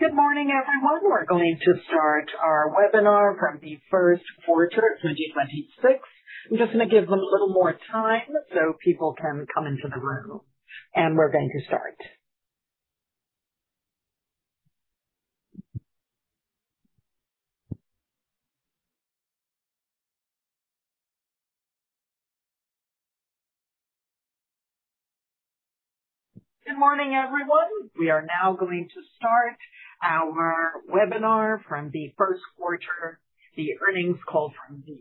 Good morning, everyone. We're going to start our webinar from the first quarter 2026. I'm just gonna give a little more time so people can come into the room, and we're going to start. Good morning, everyone. We are now going to start our webinar from the earnings call from the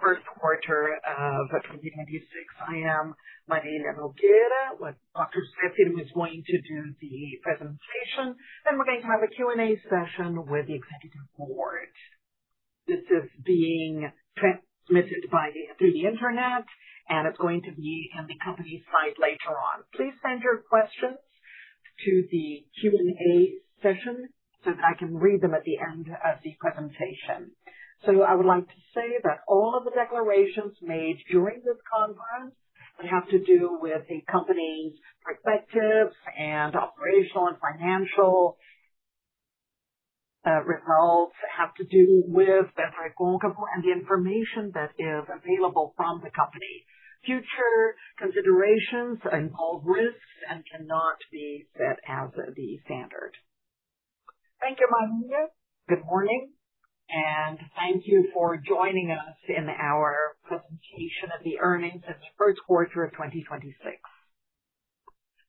first quarter of 2026. I am Marília Nogueira with José Firmo, who is going to do the presentation, then we're going to have a Q&A session with the executive board. This is being transmitted by the Internet, and it's going to be in the company's site later on. Please send your questions to the Q&A session so that I can read them at the end of the presentation. I would like to say that all of the declarations made during this conference that have to do with the company's perspectives and operational and financial results have to do with the applicable and the information that is available from the company. Future considerations involve risks and cannot be set as the standard. Thank you, Marília. Good morning, thank you for joining us in our presentation of the earnings this first quarter of 2026.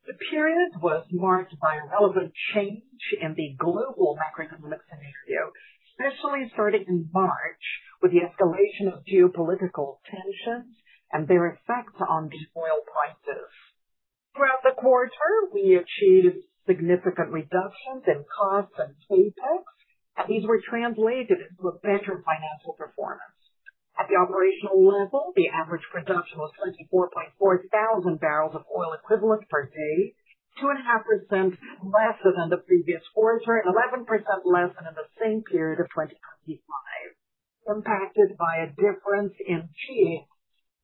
The period was marked by a relevant change in the global macroeconomic scenario, especially starting in March, with the escalation of geopolitical tensions and their effect on the oil prices. Throughout the quarter, we achieved significant reductions in costs and CapEx, and these were translated into a better financial performance. At the operational level, the average production was 24.4 thousand BOE per day, 2.5% lesser than the previous quarter and 11% less than in the same period of 2025, impacted by a difference in NGL,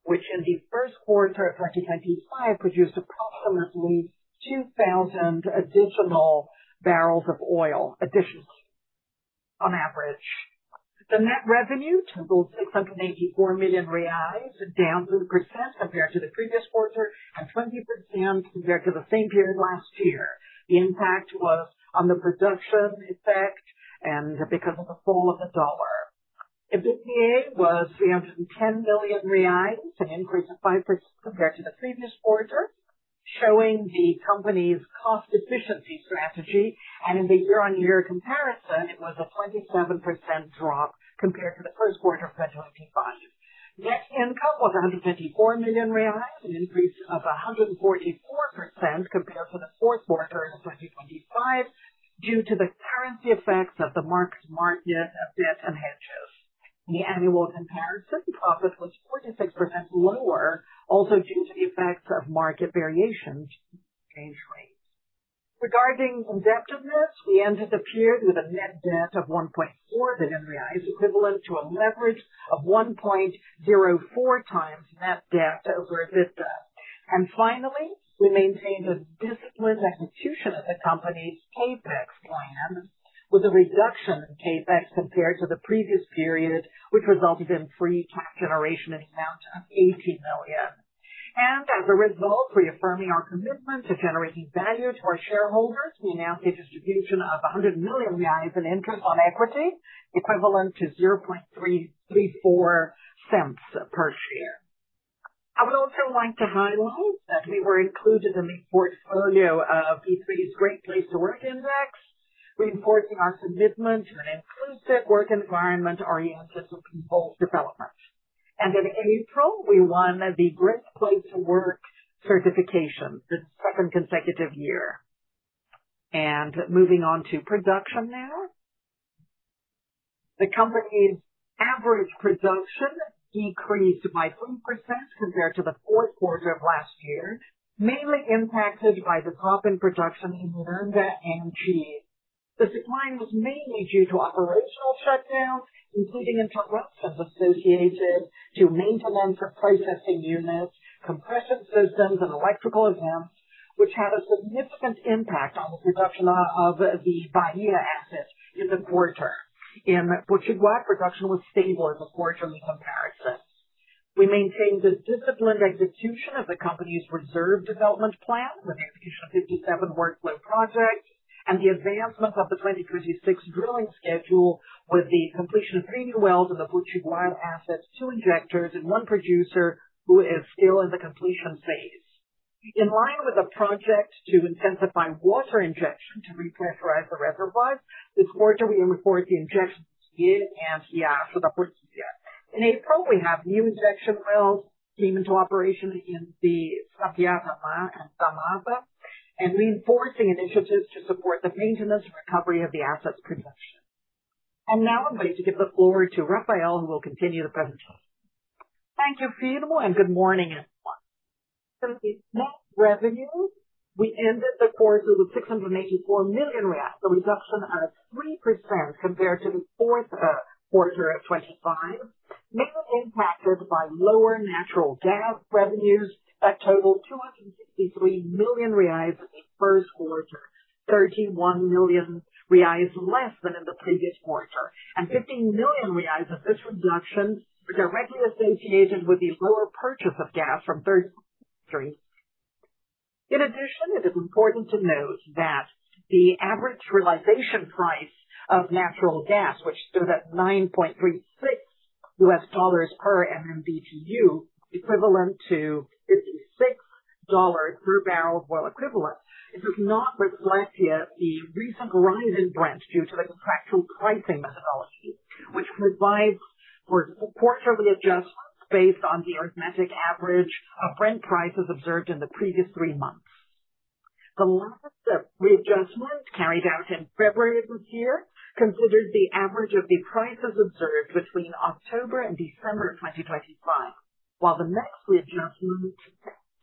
which in the first quarter of 2025 produced approximately 2,000 additional barrels of oil, additional, on average. The net revenue totaled 684 million reais, down 3% compared to the previous quarter and 20% compared to the same period last year. The impact was on the production effect and because of the fall of the dollar. EBITDA was 310 million reais, an increase of 5% compared to the previous quarter, showing the company's cost efficiency strategy. In the year-on-year comparison, it was a 27% drop compared to the first quarter of 2025. Net income was 154 million reais, an increase of 144% compared to the fourth quarter of 2025 due to the currency effects of the mark-to-market of debt and hedges. The annual comparison profit was 46% lower, also due to the effects of market variations exchange rates. Regarding indebtedness, we ended the period with a net debt of 1.4 billion reais, equivalent to a leverage of 1.04 times net debt over EBITDA. Finally, we maintained a disciplined execution of the company's CapEx plan with a reduction in CapEx compared to the previous period, which resulted in free cash generation in the amount of 80 million. As a result, reaffirming our commitment to generating value to our shareholders, we announced a distribution of 100 million reais in interest on equity, equivalent to 0.334 per share. I would also like to highlight that we were included in the portfolio of B3's Great Place to Work Index, reinforcing our commitment to an inclusive work environment oriented to people's development. In April, we won the Great Place to Work certification, the second consecutive year. Moving on to production now. The company's average production decreased by 3% compared to the fourth quarter of last year, mainly impacted by the drop in production in Uruçu e Gomo. The decline was mainly due to operational shutdowns, including interruptions associated to maintenance of processing units, compression systems and electrical events, which had a significant impact on the production of the Bahia assets in the quarter. In Potiguar, production was stable in the quarter in comparison. We maintained a disciplined execution of the company's reserve development plan with the execution of 57 workover projects and the advancement of the 2026 drilling schedule with the completion of three new wells in the Potiguar assets, two injectors and one producer who is still in the completion phase. In line with the project to intensify water injection to repressurize the reservoirs, this quarter we report the injection in Anchieta for the first year. In April, we have new injection wells came into operation in the Sapata and Samambaia and reinforcing initiatives to support the maintenance and recovery of the asset's production. Now I'm going to give the floor to Rafael, who will continue the presentation. Thank you, Firmo, good morning, everyone. The net revenue, we ended the quarter with 684 million reais, a reduction of 3% compared to the fourth quarter of 2025. Mainly impacted by lower natural gas revenues that totaled 263 million reais in the first quarter, 31 million reais less than in the previous quarter, and 15 million reais of this reduction was directly associated with the lower purchase of gas from third parties. In addition, it is important to note that the average realization price of natural gas, which stood at $9.36 per MMBTU, equivalent to $56 per barrel oil equivalent. It does not reflect yet the recent rise in Brent due to the contractual pricing methodology, which provides for quarterly adjustments based on the arithmetic average of Brent prices observed in the previous three months. The last adjustment carried out in February of this year considered the average of the prices observed between October and December 2025, while the next readjustment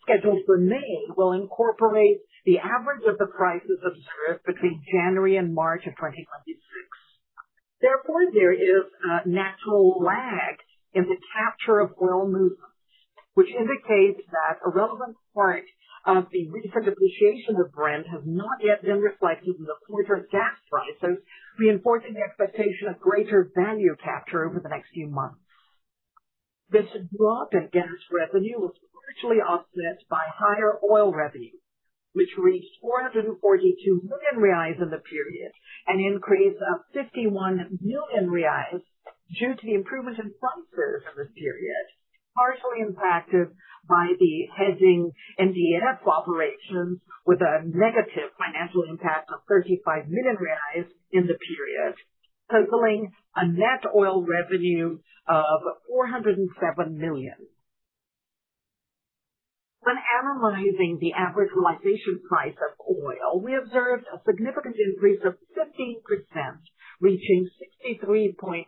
scheduled for May will incorporate the average of the prices observed between January and March of 2026. There is a natural lag in the capture of oil movements, which indicates that a relevant part of the recent appreciation of Brent has not yet been reflected in the quarter gas prices, reinforcing the expectation of greater value capture over the next few months. This drop in gas revenue was partially offset by higher oil revenue, which reached 442 million reais in the period, an increase of 51 million reais due to the improvement in prices in this period, partially impacted by the hedging NDF operation with a negative financial impact of 35 million reais in the period, totaling a net oil revenue of 407 million. When analyzing the average realization price of oil, we observed a significant increase of 15%, reaching $63.4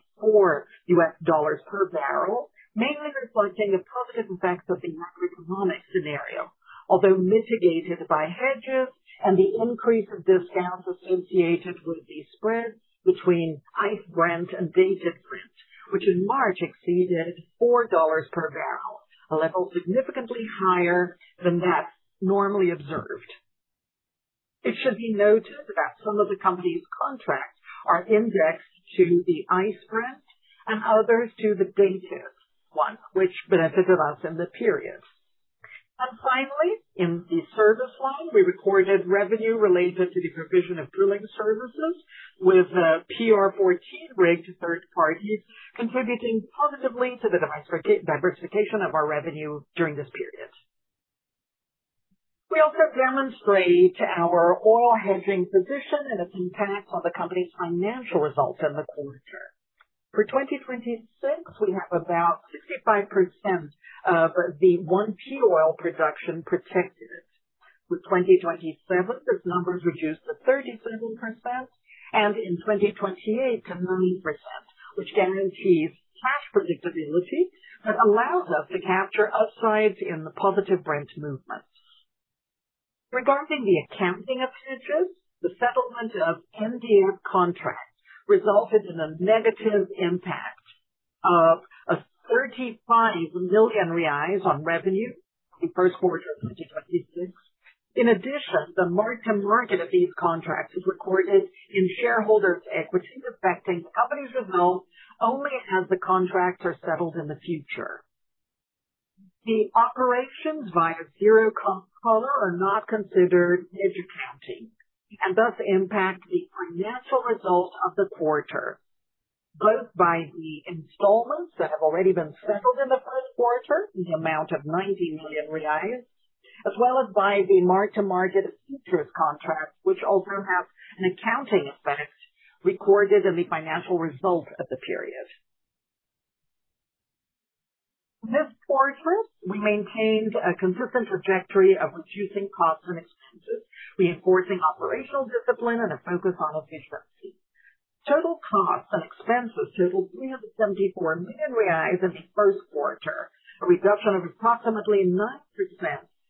per barrel, mainly reflecting the positive effects of the macroeconomic scenario, although mitigated by hedges and the increase of discounts associated with the spread between ICE Brent and Dated Brent, which in March exceeded $4 per barrel, a level significantly higher than that normally observed. It should be noted that some of the company's contracts are indexed to the ICE Brent and others to the Dated one, which benefited us in the period. Finally, in the service line, we recorded revenue related to the provision of drilling services with PR-14 rig to third parties, contributing positively to the diversification of our revenue during this period. We also demonstrate our oil hedging position and its impact on the company's financial results in the quarter. For 2026, we have about 65% of the 1P oil production protected. With 2027, this number is reduced to 37% and in 2028 to 9%, which guarantees cash predictability but allows us to capture upsides in the positive Brent movements. Regarding the accounting of futures, the settlement of NDF contracts resulted in a negative impact of a 35 million reais on revenue in first quarter 2026. In addition, the mark-to-market of these contracts is recorded in shareholders' equity, affecting company's results only as the contracts are settled in the future. The operations via zero-cost collar are not considered hedge accounting and thus impact the financial results of the quarter, both by the installments that have already been settled in the first quarter in the amount of 90 million reais, as well as by the mark-to-market futures contracts, which also have an accounting effect recorded in the financial results of the period. This quarter, we maintained a consistent trajectory of reducing costs and expenses, reinforcing operational discipline and a focus on efficiency. Total costs and expenses totaled 374 million reais in the first quarter, a reduction of approximately 9%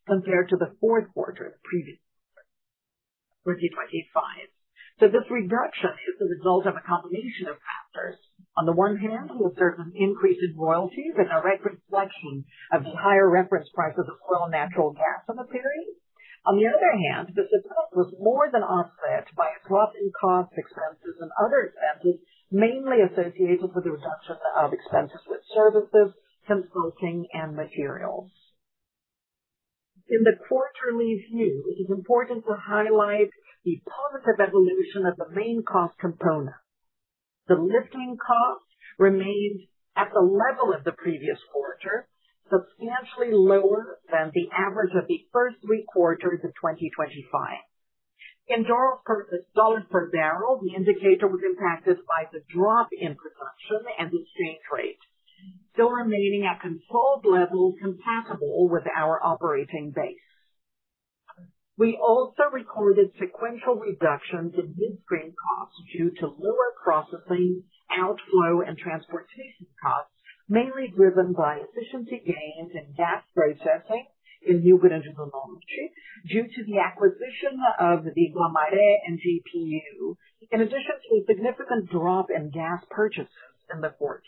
compared to the fourth quarter of the previous quarter, 2025. This reduction is the result of a combination of factors. On the one hand, we observed an increase in royalties and a reflection of the higher reference prices of oil and natural gas in the period. On the other hand, this effect was more than offset by a drop in cost expenses and other expenses, mainly associated with the reduction of expenses with services, transportation, and materials. In the quarterly view, it is important to highlight the positive evolution of the main cost component. The lifting costs remained at the level of the previous quarter, substantially lower than the average of the first three quarters of 2025. In dollar per barrel, the indicator was impacted by the drop in production and exchange rate, still remaining at controlled levels compatible with our operating base. We also recorded sequential reductions in midstream costs due to lower processing, outflow and transportation costs, mainly driven by efficiency gains in gas processing in Ubatã do Lomanto UPGN. Due to the acquisition of the Iguaí and UPGN, in addition to a significant drop in gas purchases in the quarter.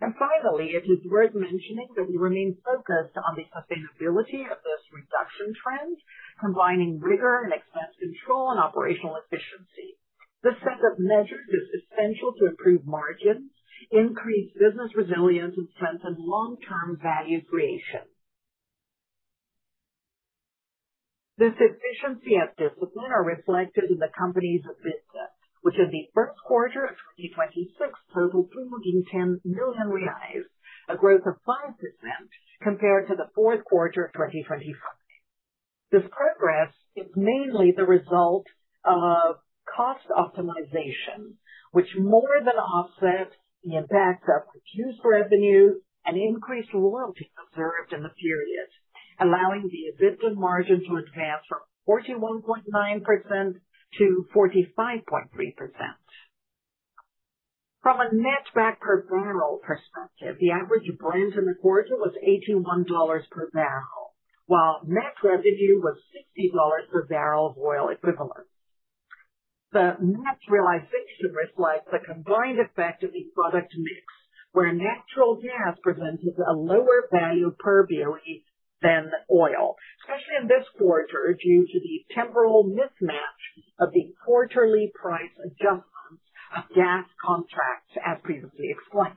Finally, it is worth mentioning that we remain focused on the sustainability of this reduction trend, combining rigor and expense control and operational efficiency. This set of measures is essential to improve margins, increase business resilience, and strengthen long-term value creation. This efficiency and discipline are reflected in the company's EBITDA, which in the first quarter of 2026 totaled 10 million reais, a growth of 5% compared to the fourth quarter of 2025. This progress is mainly the result of cost optimization, which more than offsets the impact of reduced revenue and increased royalties observed in the period, allowing the EBITDA margin to advance from 41.9%-45.3%. From a netback per barrel perspective, the average blend in the quarter was $81 per barrel, while net revenue was $60 per barrel of oil equivalent. The net realization reflects the combined effect of the product mix, where natural gas presented a lower value per BOE than oil, especially in this quarter, due to the temporal mismatch of the quarterly price adjustments of gas contracts, as previously explained.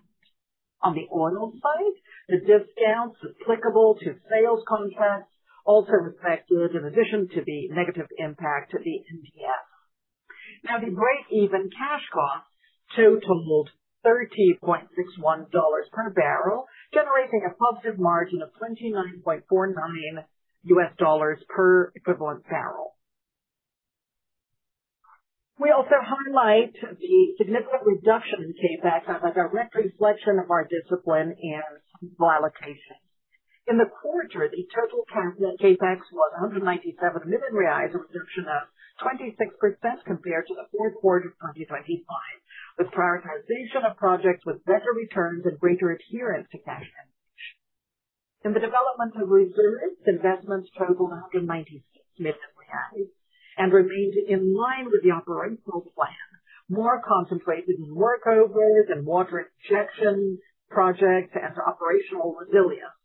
On the oil side, the discounts applicable to sales contracts also reflected in addition to the negative impact of the NDF. Now, the breakeven cash cost totaled $13.61 per barrel, generating a positive margin of $29.49 per equivalent barrel. We also highlight the significant reduction in CapEx as a direct reflection of our discipline and capital allocation. In the quarter, the total CapEx was 197 million reais, a reduction of 26% compared to the fourth quarter of 2025, with prioritization of projects with better returns and greater adherence to cash flow. In the development of reserves, investments totaled 196 million and remains in line with the operational plan, more concentrated in workovers and water injection projects and operational resilience.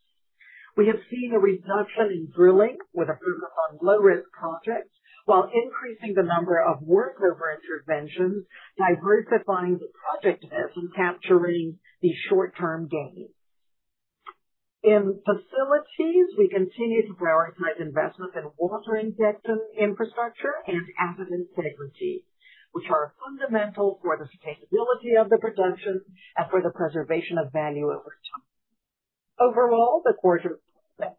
We have seen a reduction in drilling with a focus on low-risk projects while increasing the number of workover interventions, diversifying the project mix and capturing the short-term gains. In facilities, we continue to prioritize investments in water injection infrastructure and asset integrity, which are fundamental for the sustainability of the production and for the preservation of value over time. Overall, the quarter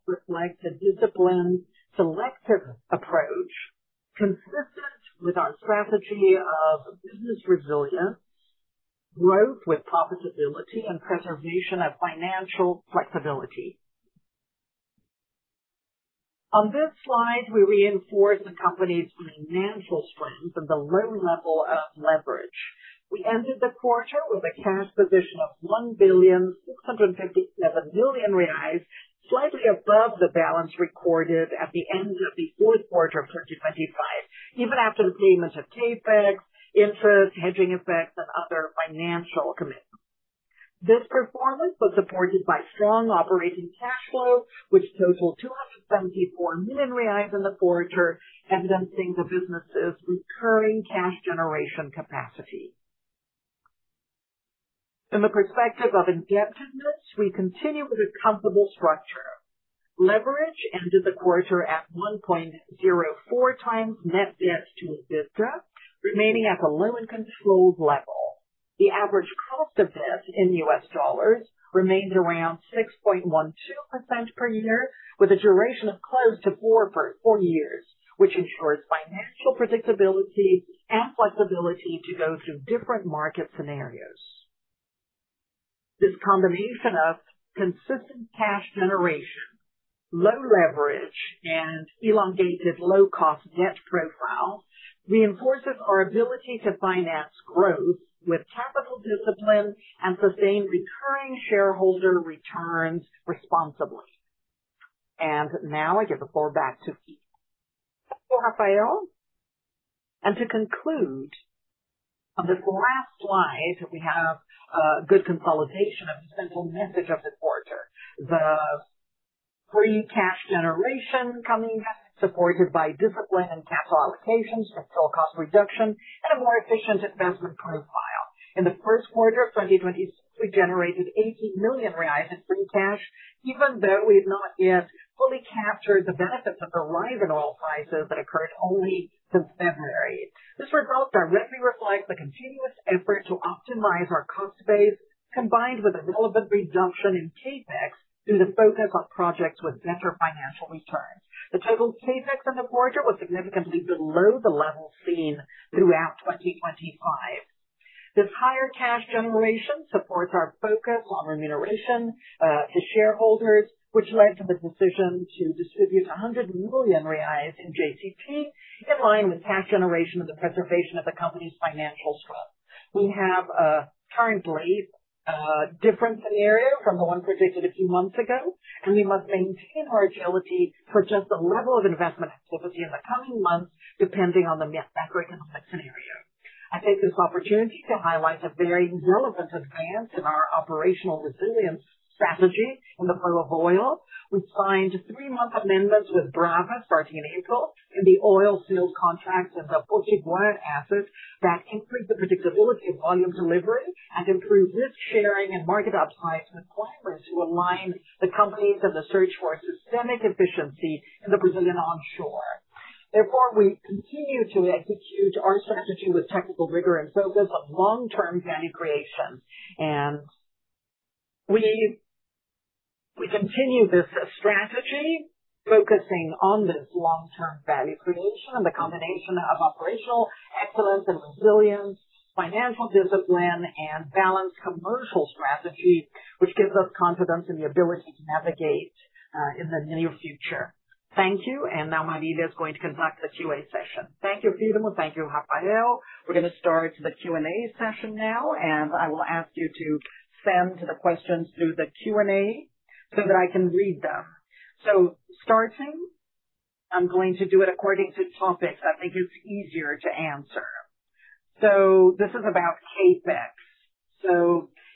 reflects a disciplined selective approach consistent with our strategy of business resilience, growth with profitability, and preservation of financial flexibility. On this slide, we reinforce the company's financial strength and the low level of leverage. We ended the quarter with a cash position of 1 billion reais 657 million, slightly above the balance recorded at the end of the fourth quarter of 2025, even after the payments of CapEx, interest, hedging effects, and other financial commitments. This performance was supported by strong operating cash flow, which totaled 274 million reais in the quarter, evidencing the business' recurring cash generation capacity. The perspective of indebtedness, we continue with a comfortable structure. Leverage ended the quarter at 1.04x net debt to EBITDA, remaining at a low and controlled level. The average cost of debt in USD remains around 6.12% per year, with a duration of close to four years, which ensures financial predictability and flexibility to go through different market scenarios. This combination of consistent cash generation, low leverage, and elongated low cost debt profile reinforces our ability to finance growth with capital discipline and sustain recurring shareholder returns responsibly. Now I give the floor back to Firmo. Thank you, Rafael. To conclude, on this last slide, we have a good consolidation of the central message of this quarter. The free cash generation coming supported by discipline and capital allocation, structural cost reduction, and a more efficient investment profile. In the first quarter of 2026, we generated 80 million reais in free cash, even though we've not yet fully captured the benefits of the rise in oil prices that occurred only since February. This result directly reflects the continuous effort to optimize our cost base, combined with a relevant reduction in CapEx through the focus on projects with better financial returns. The total CapEx in the quarter was significantly below the level seen throughout 2025. This higher cash generation supports our focus on remuneration to shareholders, which led to the decision to distribute 100 million reais in JCP, in line with cash generation and the preservation of the company's financial strength. We have a current phase, a different scenario from the one predicted a few months ago, and we must maintain our agility for just the level of investment activity in the coming months, depending on the macroeconomic scenario. I take this opportunity to highlight the very relevant advance in our operational resilience strategy in the flow of oil. We signed three-month amendments with Brava, Spartan and Itel in the oil field contracts at the Potiguar assets that increase the predictability of volume delivery and improve risk sharing and market upside requirements to align the companies in the search for systemic efficiency in the Brazilian onshore. We continue to execute our strategy with technical rigor in focus of long-term value creation. We continue this strategy focusing on this long-term value creation and the combination of operational excellence and resilience, financial discipline and balanced commercial strategy, which gives us confidence in the ability to navigate in the near future. Thank you. Now Marília is going to conduct the Q&A session. Thank you, Firmo. Thank you, Rafael. We're gonna start the Q&A session now, and I will ask you to send the questions through the Q&A so that I can read them. Starting, I'm going to do it according to topics I think it's easier to answer. This is about CapEx.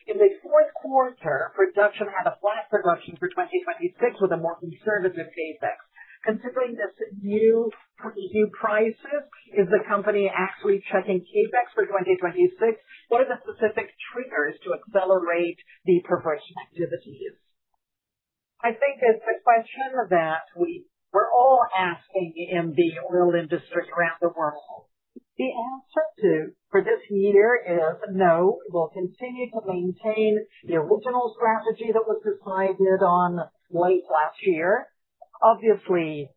In the fourth quarter, production had a flat production for 2026 with a more conservative CapEx. Considering this new prices, is the company actually checking CapEx for 2026? What are the specific triggers to accelerate the production activities? I think this question that we were all asking in the oil industry around the world. The answer for this year is no. We will continue to maintain the original strategy that was decided on late last year. Obviously,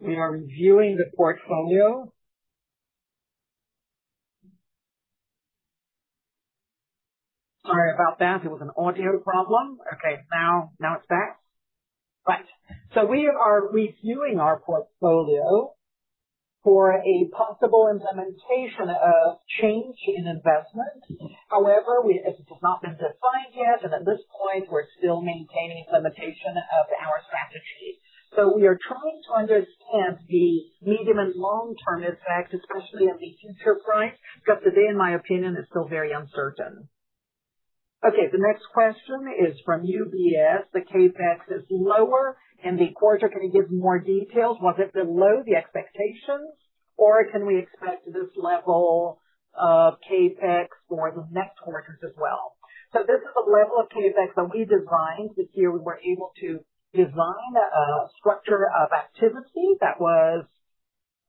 we are reviewing the portfolio. Sorry about that. There was an audio problem. Okay, now it's back. Right. We are reviewing our portfolio for a possible implementation of change in investment. However, it has not been defined yet, and at this point, we're still maintaining implementation of our strategy. We are trying to understand the medium and long-term effects, especially on the future price, because today, in my opinion, is still very uncertain. The next question is from UBS. The CapEx is lower and the quarter can give more details. Was it below the expectations or can we expect this level of CapEx for the next quarters as well? This is the level of CapEx that we designed this year. We were able to design a structure of activity that was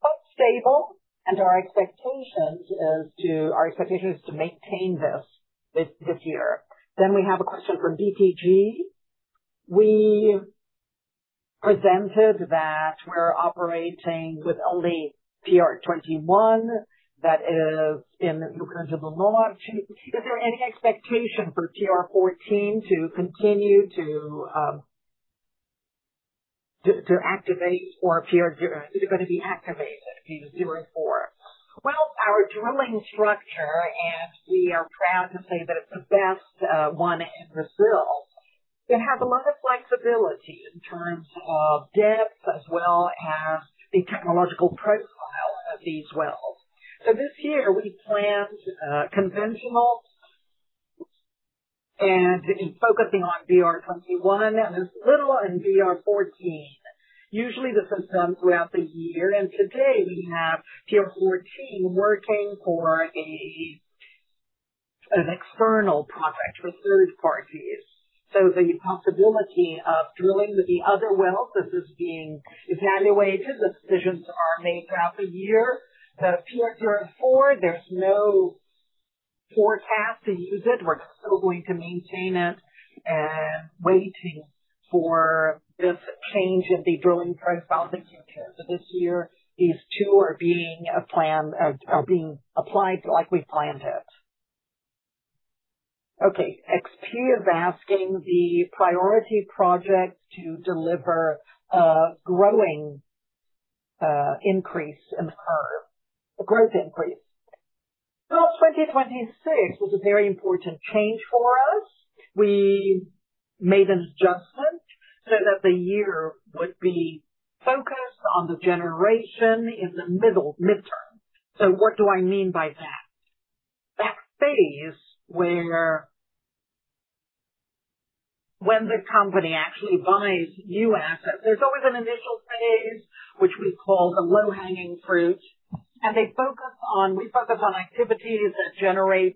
both stable and our expectation is to maintain this year. We have a question from BTG. We presented that we are operating with only PR-21 that is in because of the launch. Is there any expectation for PR-14 to continue to activate or PR-04? Is it going to be activated, the 04? Our drilling structure, and we are proud to say that it is the best one in Brazil. It has a lot of flexibility in terms of depth as well as the technological profile of these wells. This year we planned conventional and focusing on PR-21 and there's little in PR-14. Usually this is done throughout the year and today we have PR-14 working for an external project with third parties. The possibility of drilling the other wells, this is being evaluated. The decisions are made throughout the year. The PR-04, there's no forecast to use it. We're still going to maintain it and waiting for this change in the drilling profile the future. This year these two are being applied like we planned it. Okay. XP is asking the priority project to deliver a growing increase in curve, a growth increase. Well, 2026 was a very important change for us. We made an adjustment so that the year would be focused on the generation in the midterm. What do I mean by that? That phase where the company actually buys new assets, there's always an initial phase, which we call the low-hanging fruit, and we focus on activities that generate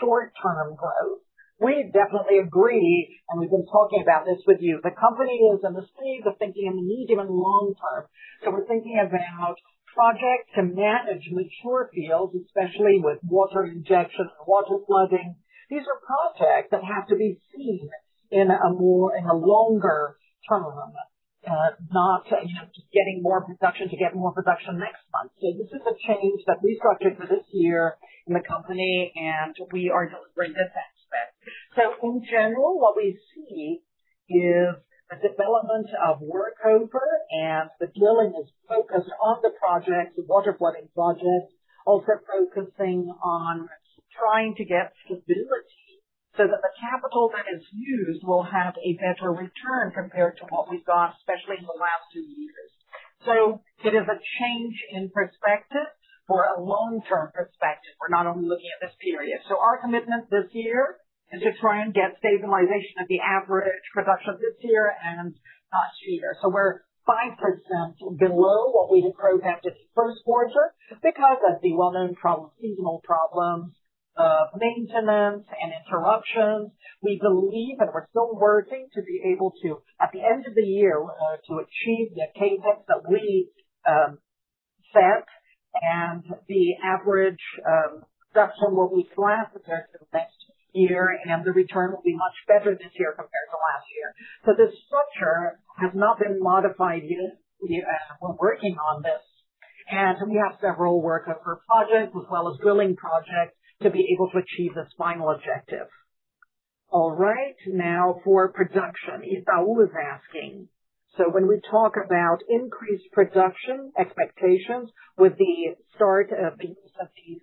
short-term growth. We definitely agree, and we've been talking about this with you. The company is in the stage of thinking in medium and long term. We're thinking about projects to manage mature fields, especially with water injection and water flooding. These are projects that have to be seen in a more, longer term. Not, you know, just getting more production to get more production next month. This is a change that we structured for this year in the company, and we are delivering this aspect. In general, what we see is a development of workover and the drilling is focused on the projects, the water flooding projects, also focusing on trying to get stability so that the capital that is used will have a better return compared to what we got, especially in the last two years. It is a change in perspective for a long-term perspective. We are not only looking at this period. Our commitment this year is to try and get stabilization of the average production this year and next year. We are 5% below what we had projected the first quarter because of the well-known problem, seasonal problems, maintenance and interruptions. We believe, and we're still working to be able to, at the end of the year, to achieve the CapEx that we set and the average production will be flat compared to next year, and the return will be much better this year compared to last year. The structure has not been modified yet. We're working on this, and we have several workover projects as well as drilling projects to be able to achieve this final objective. All right, now for production, Esau is asking. When we talk about increased production expectations with the start of these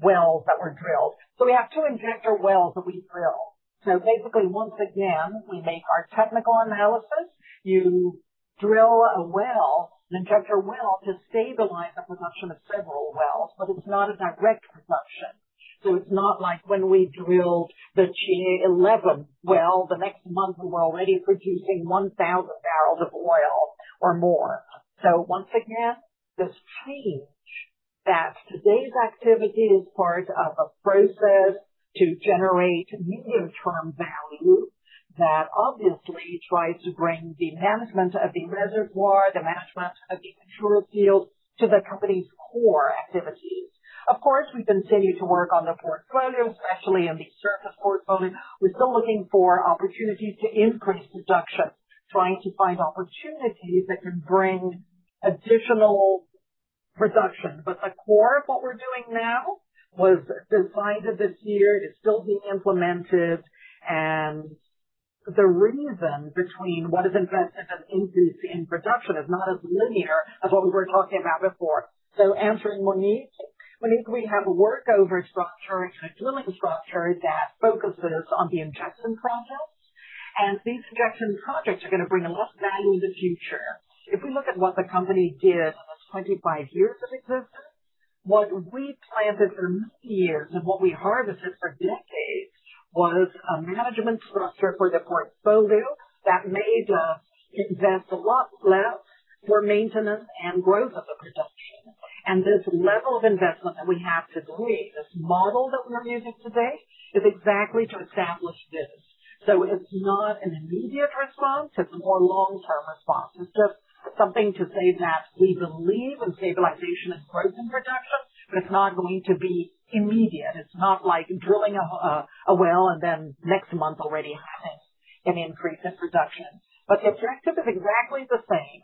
wells that were drilled. We have two injector wells that we drill. Basically, once again, we make our technical analysis. You drill a well, an injector well, to stabilize the production of several wells, but it's not a direct production. It's not like when we drilled the GA-11 well, the next month we're already producing 1,000 barrels of oil or more. Once again, this change that today's activity is part of a process to generate medium-term value that obviously tries to bring the management of the reservoir, the management of the mature fields to the company's core activities. Of course, we continue to work on the portfolio, especially in the surface portfolio. We're still looking for opportunities to increase production, trying to find opportunities that can bring additional production. The core of what we're doing now was designed this year, it's still being implemented, and the reason between what is invested and increase in production is not as linear as what we were talking about before. Answering Monique. Monique, we have a workover structure, a drilling structure that focuses on the injection projects, and these injection projects are going to bring a lot of value in the future. If we look at what the company did in the 25 years of existence, what we planted for many years and what we harvested for decades was a management structure for the portfolio that made us invest a lot less for maintenance and growth of the production. This level of investment that we have today, this model that we are using today, is exactly to establish this. It's not an immediate response, it's a more long-term response. It's just something to say that we believe in stabilization and growth in production, but it's not going to be immediate. It's not like drilling a well and then next month already having an increase in production. The objective is exactly the same,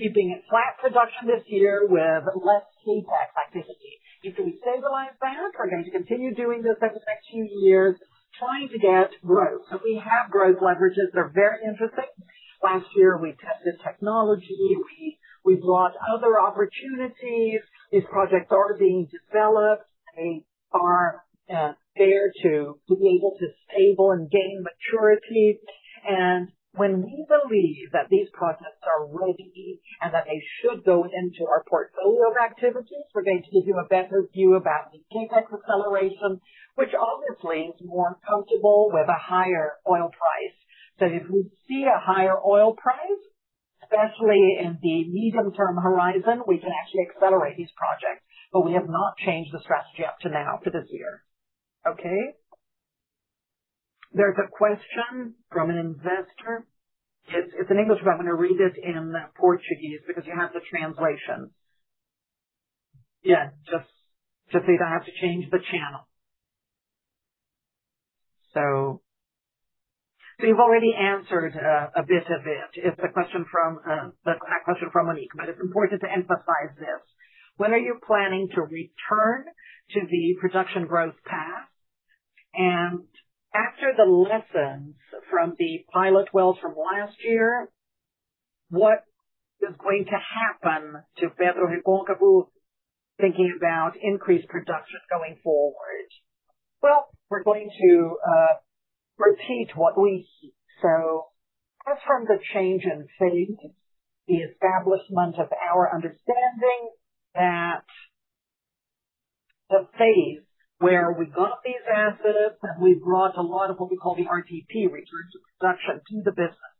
keeping a flat production this year with less CapEx activity. If we stabilize that, we're going to continue doing this over the next few years, trying to get growth. We have growth leverages that are very interesting. Last year, we tested technology. We brought other opportunities. These projects are being developed. They are there to be able to stable and gain maturity. When we believe that these projects are ready and that they should go into our portfolio of activities, we're going to give you a better view about the CapEx acceleration, which obviously is more comfortable with a higher oil price. If we see a higher oil price, especially in the medium-term horizon, we can actually accelerate these projects, but we have not changed the strategy up to now for this year. Okay. There's a question from an investor. It's in English, but I'm going to read it in Portuguese because you have the translation. You don't have to change the channel. You've already answered a bit of it. It's a question from Monique. It's important to emphasize this. When are you planning to return to the production growth path? After the lessons from the pilot wells from last year, what is going to happen to Pedro e Paulo Cabral thinking about increased production going forward? In terms of change in phase, the establishment of our understanding that the phase where we got these assets and we brought a lot of what we call the RTP, return to production, to the business.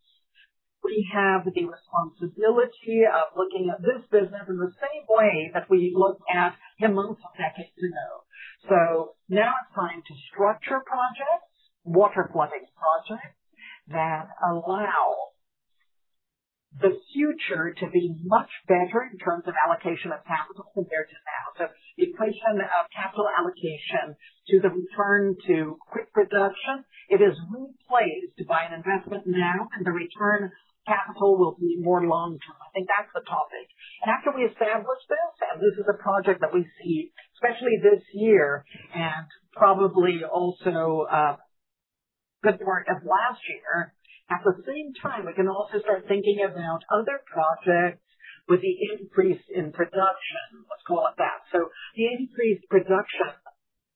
We have the responsibility of looking at this business in the same way that we look at Limoeiro and Pecém. Now it's time to structure projects, water flooding projects, that allow the future to be much better in terms of allocation of capital compared to now. The question of capital allocation to the return to quick production, it is very place to buy an investment now and the return capital will be more long term. I think that's the topic. After we establish this, and this is a project that we see especially this year and probably also good part of last year. At the same time, we can also start thinking about other projects with the increase in production, let's call it that. The increased production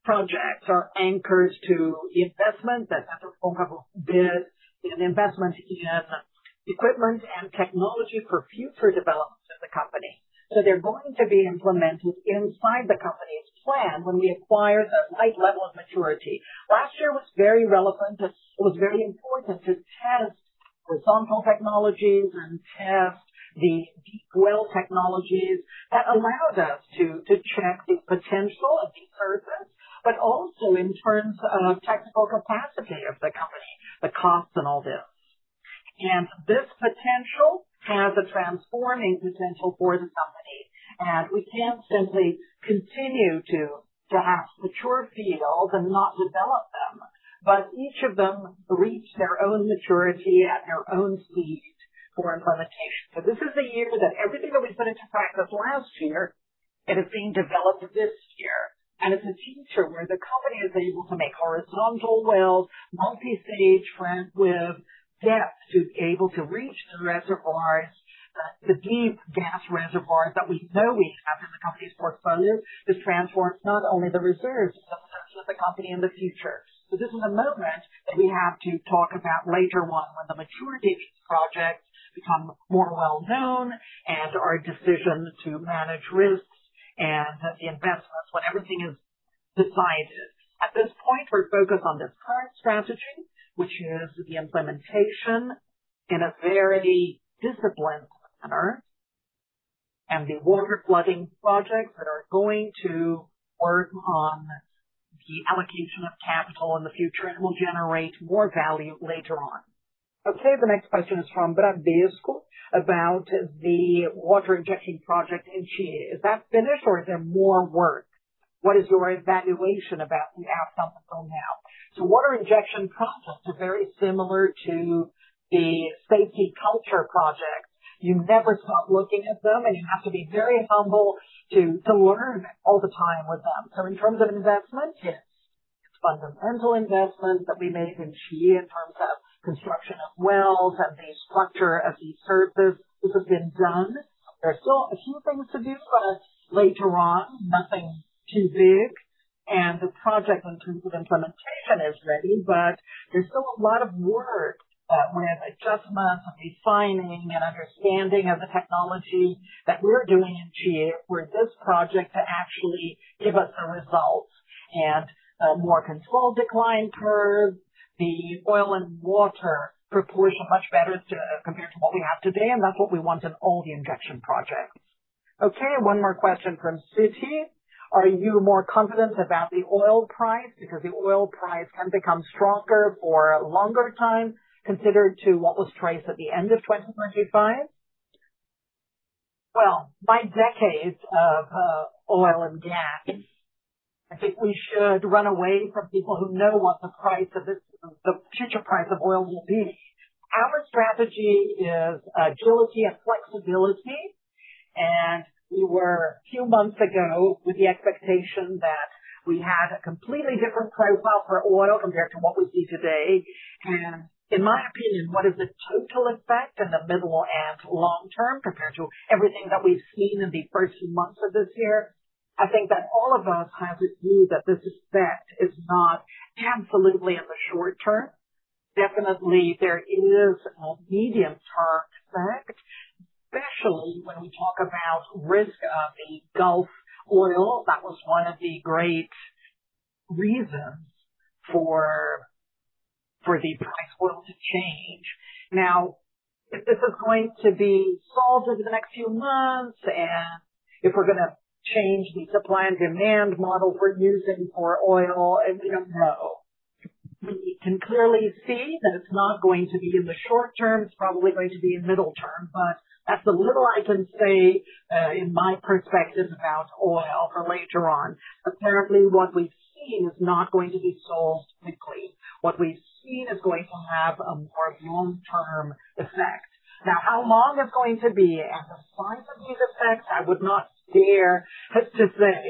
projects are anchors to investment. That's a form of bid, an investment in equipment and technology for future developments of the company. They're going to be implemented inside the company's plan when we acquire the right level of maturity. Last year was very relevant. It was very important to test horizontal technologies and test the deep well technologies that allowed us to check the potential of the surface, but also in terms of technical capacity of the company, the cost and all this. This potential has a transforming potential for the company. We can't simply continue to have mature fields and not develop them, but each of them reach their own maturity at their own speed for implementation. This is a year that everything that we put into practice last year, it is being developed this year. It's a future where the company is able to make horizontal wells, multi-stage frac with depth to able to reach the reservoirs, the deep gas reservoirs that we know we have in the company's portfolio. This transforms not only the reserves but also the company in the future. This is a moment that we have to talk about later on when the maturity of these projects become more well known and our decision to manage risks and the investments when everything is decided. At this point, we're focused on this current strategy, which is the implementation in a very disciplined manner and the water flooding projects that are going to work on the allocation of capital in the future and will generate more value later on. The next question is from Bradesco about the water injection project in Tiê. Is that finished or is there more work? What is your evaluation about the outcome now? Water injection projects are very similar to the safety culture projects. You never stop looking at them, and you have to be very humble to learn all the time with them. In terms of investment, yes, fundamental investments that we made in Tiê in terms of construction of wells and the structure of the surface, this has been done. There are still a few things to do, later on, nothing too big. The project in terms of implementation is ready, but there's still a lot of work with adjustments and refining and understanding of the technology that we're doing in Tiê for this project to actually give us a result and a more controlled decline curve. The oil and water proportion much better compared to what we have today, and that's what we want in all the injection projects. Okay, one more question from Citi. Are you more confident about the oil price because the oil price can become stronger for a longer time considered to what was priced at the end of 2025? Well, my decades of oil and gas, I think we should run away from people who know what the future price of oil will be. Our strategy is agility and flexibility. We were a few months ago with the expectation that we had a completely different profile for oil compared to what we see today. In my opinion, what is the total effect in the middle and long term compared to everything that we've seen in the first months of this year? I think that all of us have a view that this effect is not absolutely in the short term. Definitely, there is a medium-term effect, especially when we talk about risk of the Gulf oil. That was one of the great reasons for the price of oil to change. If this is going to be solved over the next few months, and if we're gonna change the supply and demand model we're using for oil, we don't know. We can clearly see that it's not going to be in the short term. It's probably going to be in middle term, but that's the little I can say in my perspective about oil for later on. What we've seen is not going to be solved quickly. What we've seen is going to have a more long-term effect. How long it's going to be and the size of these effects, I would not dare to say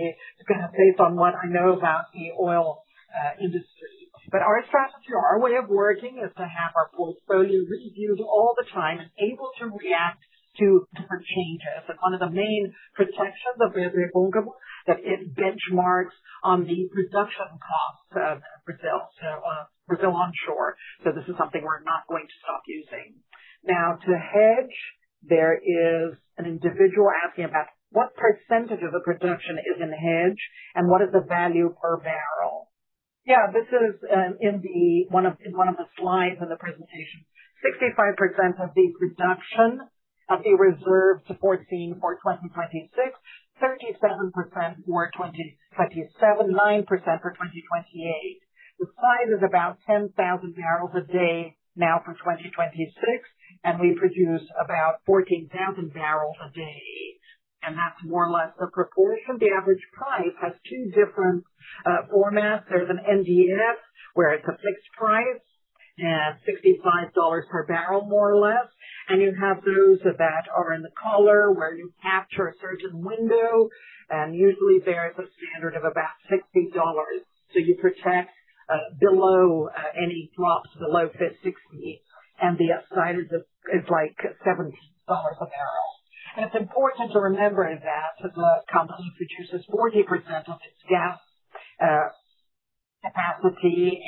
based on what I know about the oil industry. Our strategy, our way of working is to have our portfolio reviewed all the time and able to react to different changes. One of the main protections of PetroReconcavo that it benchmarks on the production costs of Brazil onshore. This is something we're not going to stop using. To hedge, there is an individual asking about what percentage of the production is in hedge and what is the value per barrel. This is in one of the slides in the presentation. 65% of the production of the reserves to 14 for 2026, 37% for 2027, 9% for 2028. The size is about 10,000 barrels a day now for 2026, we produce about 14,000 barrels a day. That's more or less the proportion. The average price has two different formats. There's an NDF, where it's a fixed price at $65 per barrel, more or less. You have those that are in the collar where you capture a certain window, and usually there is a standard of about $60. You protect below any drops below 60, and the upside is like $17 a barrel. It's important to remember that the company produces 40% of its gas capacity.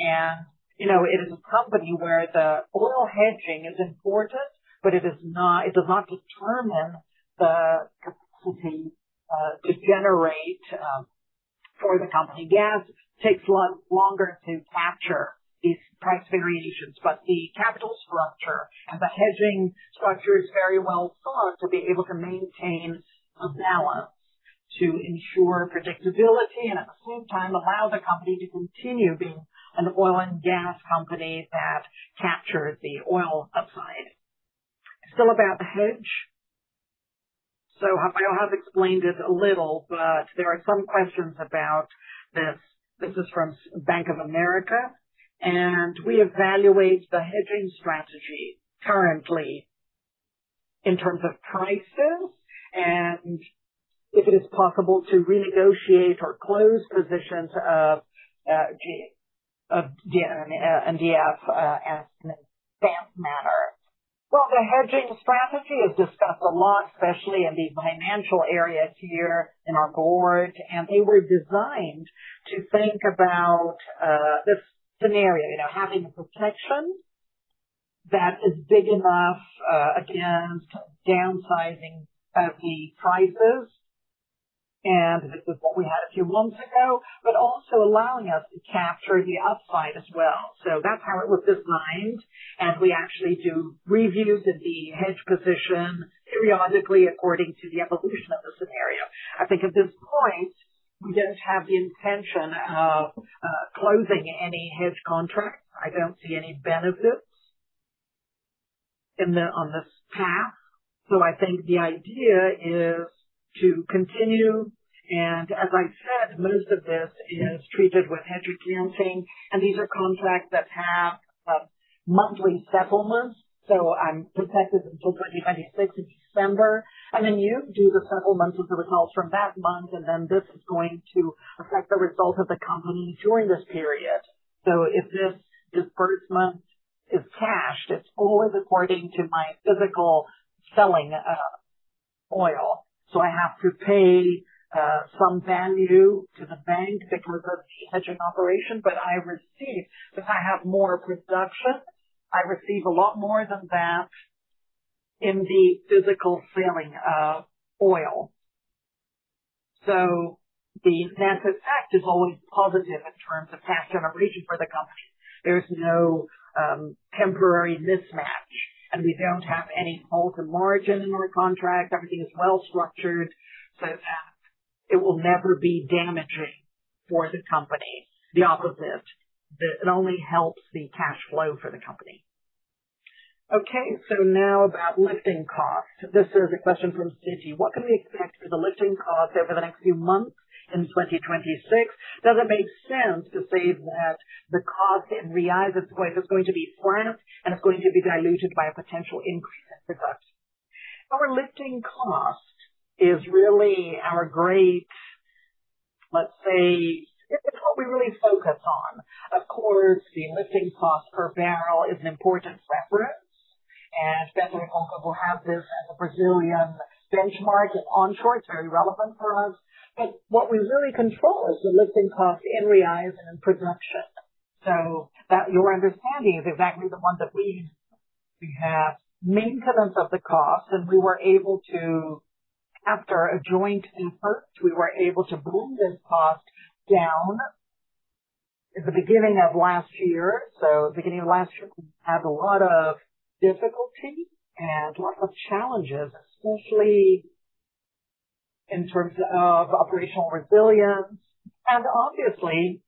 You know, it is a company where the oil hedging is important, but it does not determine the capacity to generate for the company. Gas takes a lot longer to capture these price variations, the capital structure and the hedging structure is very well thought to be able to maintain a balance to ensure predictability and at the same time allow the company to continue being an oil and gas company that captures the oil upside. Still about the hedge. I have explained it a little, but there are some questions about this. This is from Bank of America, we evaluate the hedging strategy currently in terms of prices and if it is possible to renegotiate or close positions of NDF as an advanced manner. Well, the hedging strategy is discussed a lot, especially in these financial areas here in our board, and they were designed to think about this scenario, you know, having a protection that is big enough against downsizing of the prices. This is what we had a few months ago, also allowing us to capture the upside as well. That's how it was designed. We actually do reviews of the hedge position periodically according to the evolution of the scenario. I think at this point, we don't have the intention of closing any hedge contract. I don't see any benefits on this path. I think the idea is to continue. As I said, most of this is treated with hedge accounting. These are contracts that have monthly settlements. I'm protected until 2026 in December. You do the settlements of the results from that month, this is going to affect the result of the company during this period. If this disbursement is cashed, it's always according to my physical selling oil. I have to pay some value to the bank because of the hedging operation. I receive, if I have more production, I receive a lot more than that in the physical selling of oil. The net effect is always positive in terms of cash generation for the company. There is no temporary mismatch, and we don't have any calls or margin in our contract. Everything is well structured, so it will never be damaging for the company. The opposite. It only helps the cash flow for the company. About lifting cost. This is a question from Citi. What can we expect for the lifting cost over the next few months in 2026? Does it make sense to say that the cost in reais is going to be flat and it's going to be diluted by a potential increase in production? Our lifting cost is really, let's say, this is what we really focus on. Of course, the lifting cost per barrel is an important reference. PetroReconcavo will have this as a Brazilian benchmark. It's onshore. It's very relevant for us. What we really control is the lifting cost in reais and in production. That your understanding is exactly the one that we use. We have maintenance of the cost. After a joint effort, we were able to bring this cost down at the beginning of last year. Beginning of last year, we had a lot of difficulty and lots of challenges, especially in terms of operational resilience. Obviously,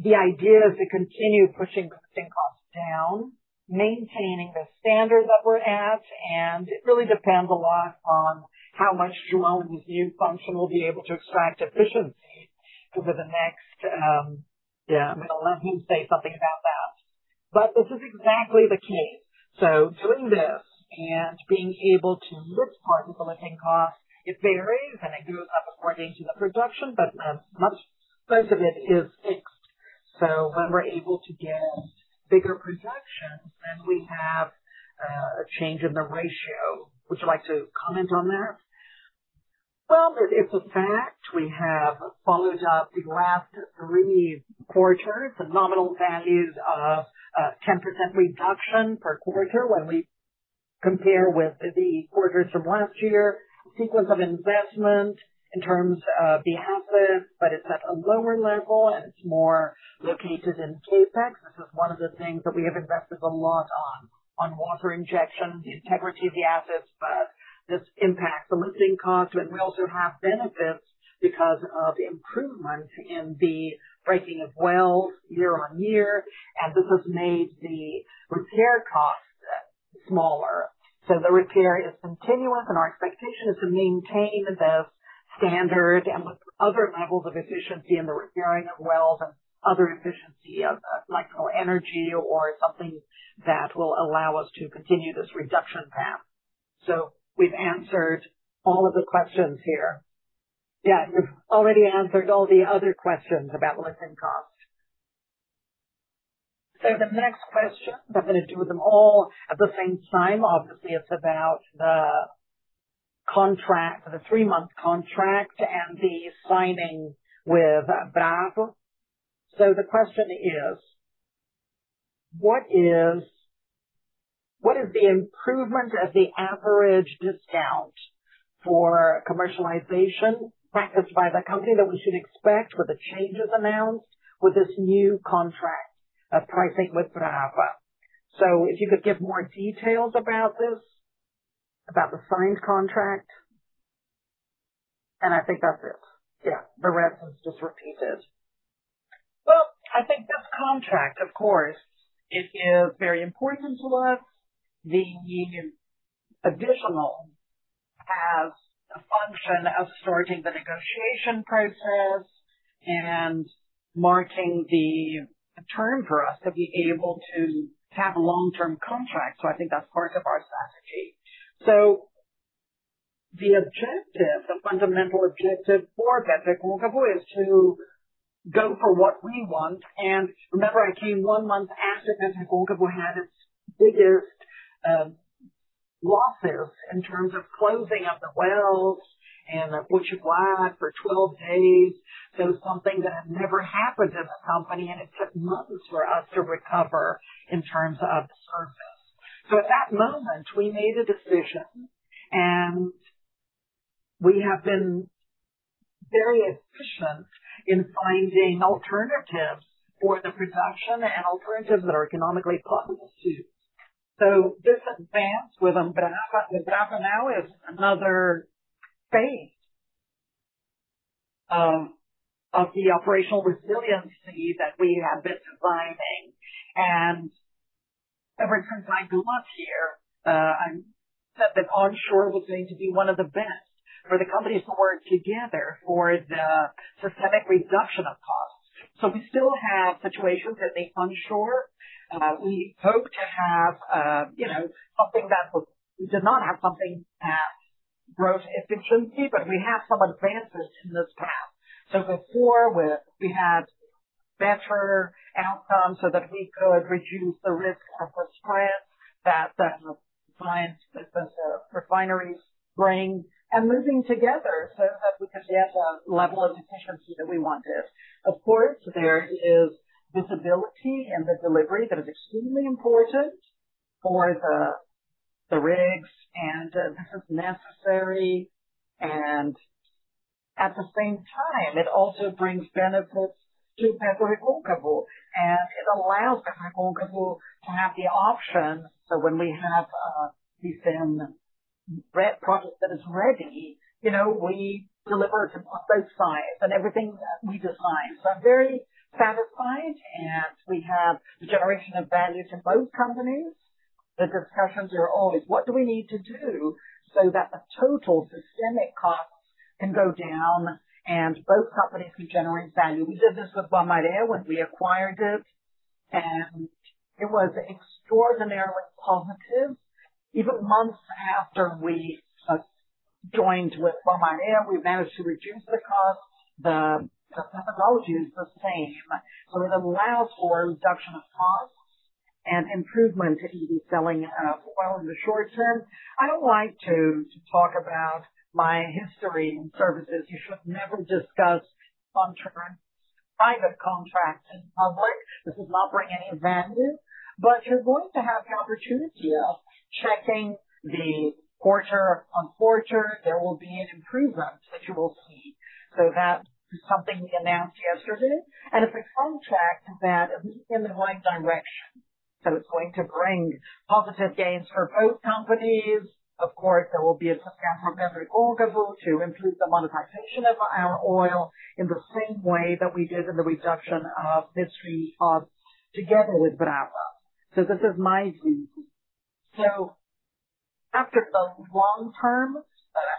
the idea is to continue pushing lifting costs down, maintaining the standard that we're at. It really depends a lot on how much João and his new function will be able to extract efficiency over the next. Yeah, I'm gonna let him say something about that. This is exactly the case. Doing this and being able to lift part of the lifting cost, it varies, and it goes up according to the production, but most of it is fixed. When we're able to get bigger production, then we have a change in the ratio. Would you like to comment on that? Well, it's a fact. We have followed up the last three quarters, the nominal values of a 10% reduction per quarter when we compare with the quarters from last year. Sequence of investment in terms of the assets, but it's at a lower level, and it's more located in CapEx. This is one of the things that we have invested a lot on water injections, the integrity of the assets. This impacts the lifting cost. We also have benefits because of improvement in the breaking of wells year-over-year. This has made the repair costs smaller. The repair is continuous and our expectation is to maintain the best standard and with other levels of efficiency in the repairing of wells and other efficiency of micro energy or something that will allow us to continue this reduction path. We've answered all of the questions here. Yeah, you've already answered all the other questions about lifting costs. The next question, I'm gonna do them all at the same time. Obviously, it's about the contract, the three-month contract and the signing with Brava. The question is: What is the improvement of the average discount for commercialization practiced by the company that we should expect with the changes announced with this new contract of pricing with Brava? If you could give more details about this, about the signed contract. I think that's it. Yeah, the rest is just repeated. Well, I think this contract, of course, it is very important to us. The additional has a function of starting the negotiation process and marking the term for us to be able to have a long-term contract. I think that's part of our strategy. The objective, the fundamental objective for PetroReconcavo is to go for what we want. Remember, I came one month after PetroReconcavo had its biggest losses in terms of closing of the wells and the Butcher Glad for 12 days. That was something that had never happened in the company, and it took months for us to recover in terms of service. At that moment, we made a decision, and we have been very efficient in finding alternatives for the production and alternatives that are economically possible, too. This advance with Brava, with Brava now is another phase of the operational resiliency that we have been designing. Every time I do up here, I said that onshore was going to be 1 of the best for the companies to work together for the systemic reduction of costs. We still have situations at the onshore. We hope to have, you know, something that we did not have something at gross efficiency, but we have some advances in this path. Before with we had better outcomes so that we could reduce the risk of constraint that the clients, that the refineries bring and moving together so that we could get a level of efficiency that we wanted. Of course, there is visibility and the delivery that is extremely important for the rigs and this is necessary. At the same time, it also brings benefits to Petroreconcavo, and it allows Petroreconcavo to have the option so when we have this product that is ready, you know, we deliver to both sides and everything that we designed. I'm very satisfied, and we have the generation of value to both companies. The discussions are always, what do we need to do so that the total systemic costs can go down and both companies can generate value? We did this with Balmorhea when we acquired it. It was extraordinarily positive. Even months after we joined with Balmorhea, we managed to reduce the cost. The methodology is the same. It allows for a reduction of costs and improvement if you be selling oil in the short term. I don't like to talk about my history in services. You should never discuss long-term private contracts in public. This does not bring any advantage, but you're going to have the opportunity of checking the quarter-over-quarter. There will be an improvement that you will see. That is something we announced yesterday. It's a contract that moves in the right direction. It's going to bring positive gains for both companies. Of course, there will be a system for PetroReconcavo to improve the monetization of our oil in the same way that we did in the reduction of lifting costs together with Brava. This is my view. After the long term,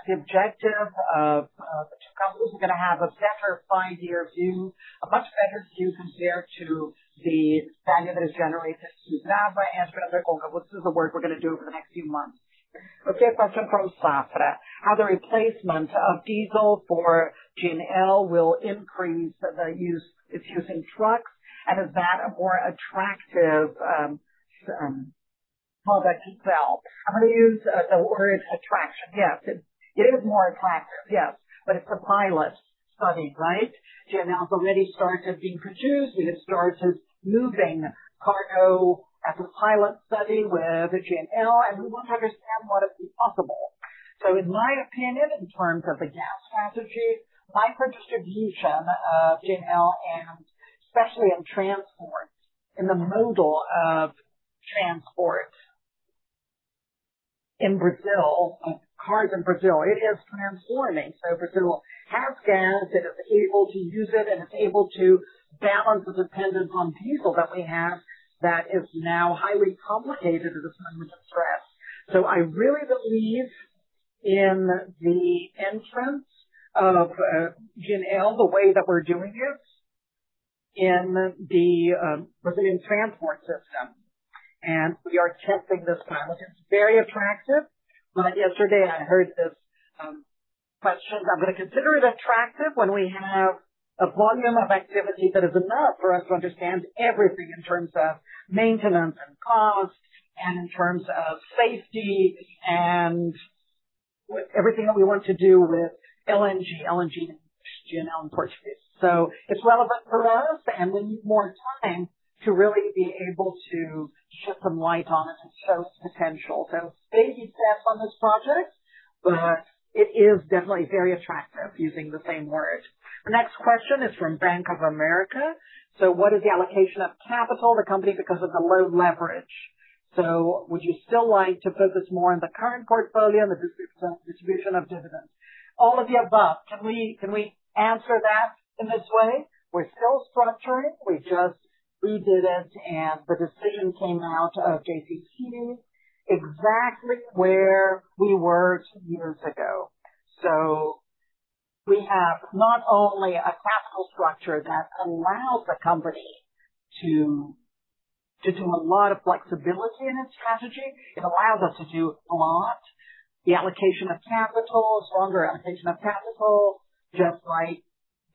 the objective of the two companies are going to have a better five-year view, a much better view compared to the value that is generated to Brava and PetroReconcavo. This is the work we're going to do over the next few months. A question from Safra. How the replacement of diesel for LNG will increase its use in trucks, and is that a more attractive product to sell? I'm going to use the word attraction. Yes, it is more attractive. Yes, but it's a pilot study, right? NGL already starts as being produced. It starts as moving cargo as a pilot study with NGL, and we want to understand what is possible. In my opinion, in terms of the gas strategy, micro distribution of NGL and especially in transport, in the modal of transport in Brazil, cars in Brazil, it is transforming. Brazil has gas, it is able to use it, and it's able to balance the dependence on diesel that we have that is now highly complicated at this moment of stress. I really believe in the entrance of NGL, the way that we're doing it in the Brazilian transport system. We are testing this pilot. It's very attractive. Yesterday I heard this question. I'm going to consider it attractive when we have a volume of activity that is enough for us to understand everything in terms of maintenance and cost and in terms of safety and with everything that we want to do with LNG. LNG, GNL in Portuguese. It's relevant for us, and we need more time to really be able to shed some light on it and show its potential. Baby steps on this project, but it is definitely very attractive using the same word. The next question is from Bank of America. What is the allocation of capital to the company because of the low leverage? Would you still like to focus more on the current portfolio and the distribution of dividends? All of the above. Can we answer that in this way? We're still structuring. We just redid it. The decision came out of JCP exactly where we were two years ago. We have not only a classical structure that allows the company to do a lot of flexibility in its strategy. It allows us to do a lot. The allocation of capital is stronger. Allocation of capital, just like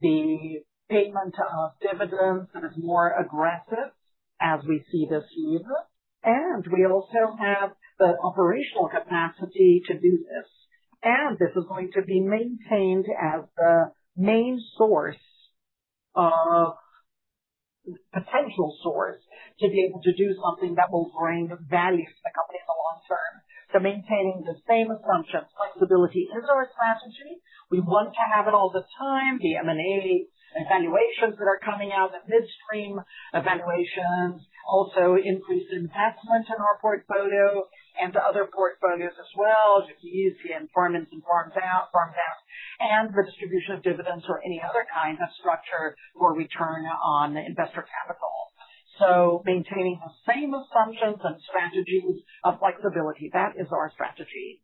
the payment of dividends, that is more aggressive as we see this year. We also have the operational capacity to do this. This is going to be maintained as the main source of potential source to be able to do something that will bring value to the company in the long term. Maintaining the same assumptions, flexibility is our strategy. We want to have it all the time. The M&A evaluations that are coming out, the midstream evaluations also increase investment in our portfolio and to other portfolios as well, to use the farm-outs, and the distribution of dividends or any other kind of structure for return on investor capital. Maintaining the same assumptions and strategies of flexibility, that is our strategy.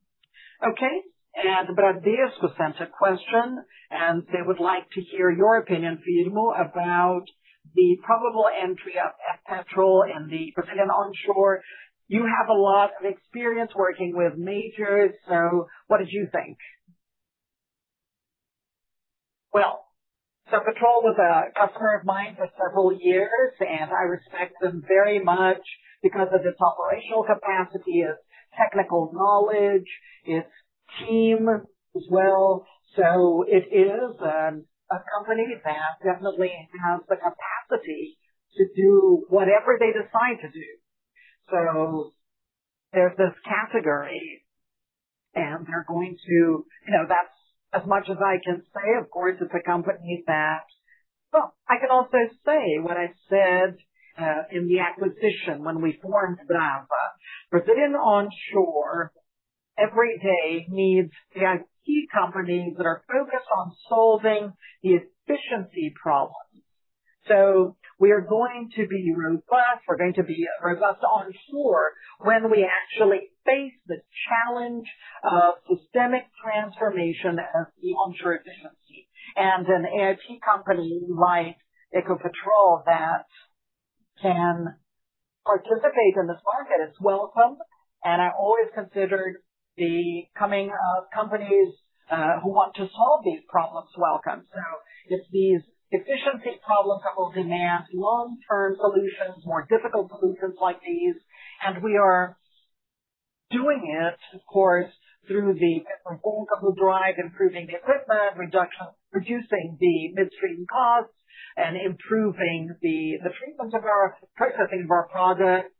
Okay. Bradesco sent a question, and they would like to hear your opinion, Firmo, about the probable entry of Ecopetrol in the Brazilian onshore. You have a lot of experience working with majors, so what did you think? Ecopetrol was a customer of mine for several years, and I respect them very much because of its operational capacity, its technical knowledge, its team as well. It is a company that definitely has the capacity to do whatever they decide to do. There's this category, and they're going to. You know, that's as much as I can say. Of course, it's a company that, well, I can also say what I said in the acquisition when we formed Brava. Brazilian onshore every day needs to have key companies that are focused on solving the efficiency problems. We are going to be robust. We're going to be robust onshore when we actually face the challenge of systemic transformation of the onshore efficiency. An E&P company like Ecopetrol that can participate in this market is welcome. I always considered the coming of companies who want to solve these problems welcome. It's these efficiency problems that will demand long-term solutions, more difficult solutions like these. We are doing it, of course, through the different goals that will drive improving the equipment, reducing the midstream costs, and improving the treatments of our processing of our product.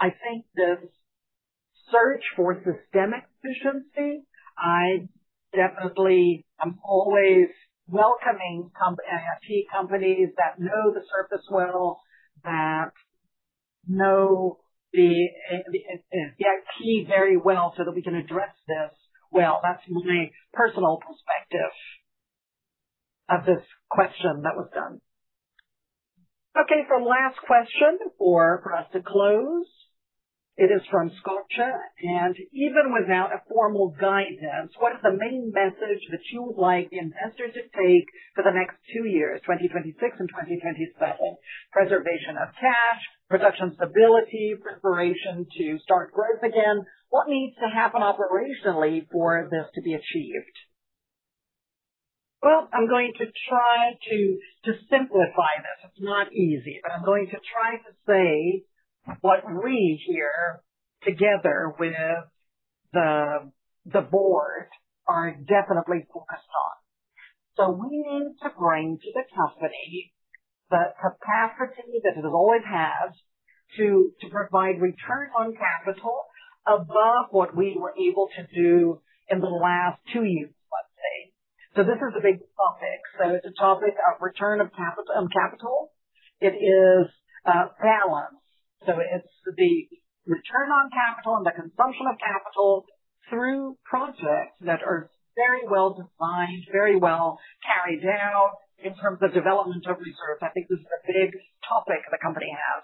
I think this search for systemic efficiency, I definitely am always welcoming E&P companies that know the surface well, that know the E&P very well so that we can address this well. That's my personal perspective of this question that was done. Last question for us to close. It is from Sculptor. Even without a formal guidance, what is the main message that you would like investors to take for the next two years, 2026 and 2027? Preservation of cash, production stability, preparation to start growth again. What needs to happen operationally for this to be achieved? I'm going to try to simplify this. It's not easy, but I'm going to try to say what we here, together with the board, are definitely focused on. We need to bring to the company the capacity that it has always had to provide return on capital above what we were able to do in the last two years. This is a big topic. It's a topic of return of capital. It is balance. It's the return on capital and the consumption of capital through projects that are very well designed, very well carried out in terms of development of reserves. I think this is a big topic the company has.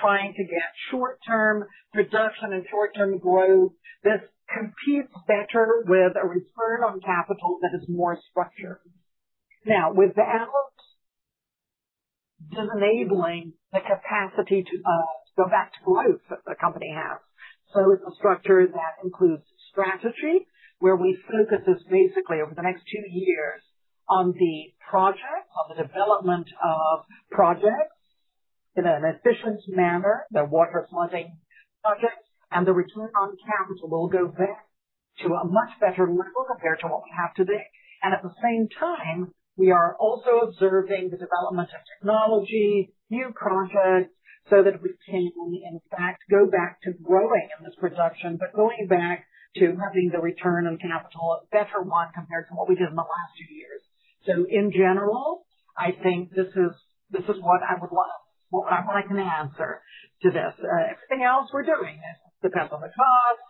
Trying to get short term production and short term growth that competes better with a return on capital that is more structured. Now, with that, just enabling the capacity to go back to growth that the company has. It's a structure that includes strategy, where we focus basically over the next two years on the project, on the development of projects in an efficient manner, the water flooding projects, and the return on capital will go back to a much better level compared to what we have today. At the same time, we are also observing the development of technology, new projects, so that we can in fact go back to growing in this production, but going back to having the return on capital, a better one compared to what we did in the last two years. In general, I think this is what I'd like an answer to this. Everything else we're doing. It depends on the cost.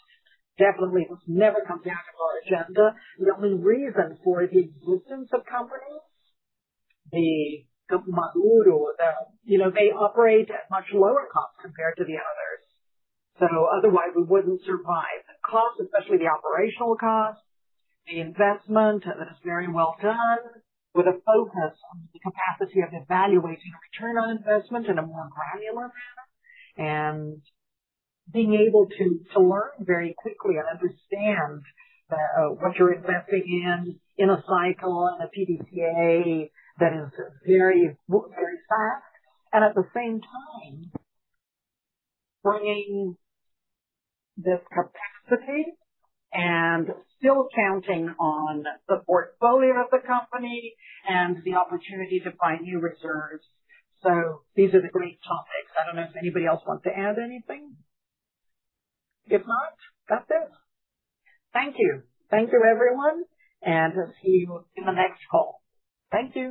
Definitely this never comes down to our agenda. The only reason for the existence of companies, the mature, the you know, they operate at much lower costs compared to the others. Otherwise we wouldn't survive the costs, especially the operational costs, the investment that is very well done, with a focus on the capacity of evaluating return on investment in a more granular fashion and being able to learn very quickly and understand what you're investing in a cycle, in a PDCA that is very fast. At the same time, bringing this capacity and still counting on the portfolio of the company and the opportunity to find new reserves. These are the great topics. I don't know if anybody else wants to add anything. If not, that's it. Thank you. Thank you everyone, and I'll see you in the next call. Thank you.